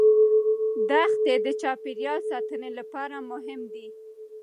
دښتې د چاپیریال ساتنې لپاره مهمې دي.